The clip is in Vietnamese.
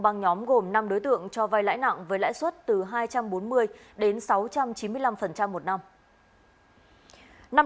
băng nhóm gồm năm đối tượng cho vai lãi nặng với lãi suất từ hai trăm bốn mươi đến sáu trăm chín mươi năm một năm